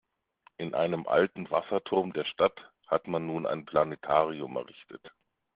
In einem alten Wasserturm der Stadt hat man nun ein Planetarium errichtet.